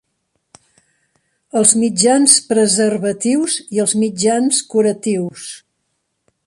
Els mitjans preservatius i els mitjans curatius.